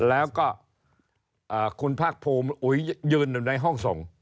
แล้วก็คุณภาคภูมิอุ๋ยยืนอยู่ในห้องส่ง